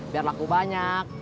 biar laku banyak